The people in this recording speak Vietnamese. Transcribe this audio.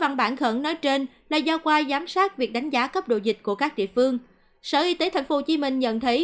ngoài giám sát việc đánh giá cấp độ dịch của các địa phương sở y tế tp hcm nhận thấy